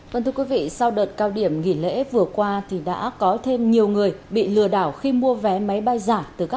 vâng thưa quý vị sau đợt cao điểm nghỉ lễ vừa qua thì đã có thêm nhiều người bị lừa đảo khi mua vé máy bay giảm